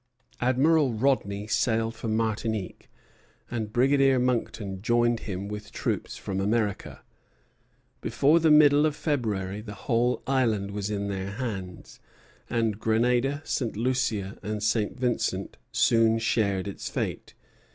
Admiral Rodney sailed for Martinique, and Brigadier Monckton joined him with troops from America. Before the middle of February the whole island was in their hands; and Grenada, St. Lucia, and St. Vincent soon shared its fate.